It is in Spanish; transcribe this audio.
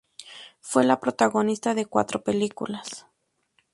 Fue la protagonista de cuatro películas.